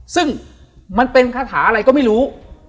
ซึ่งมันเป็นคาถาอะไรก็ไม่รู้